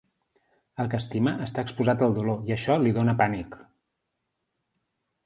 El que estima està exposat al dolor i això li dóna pànic.